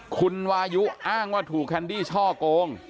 คุณวายุอ้างว่าถูกแคนดี้ช่อโกง